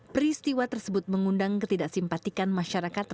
peristiwa tersebut mengundang ketidaksimpatikan masyarakat terhadap aksi satwa pp